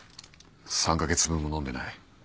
３カ月分も飲んでない